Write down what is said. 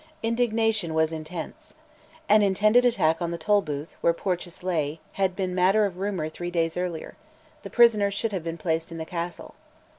Indignation was intense. An intended attack on the Tolbooth, where Porteous lay, had been matter of rumour three days earlier: the prisoner should have been placed in the Castle.